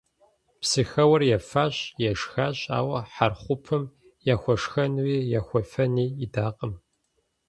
Псыхэуэр ефащ, ешхащ, ауэ Хьэрхъупым яхуэшхэнуи яхуефэни идакъым.